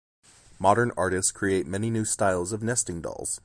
Modern artists create many new styles of nesting dolls.